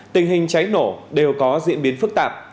tình hình cháy nổ đều có diễn biến phức tạp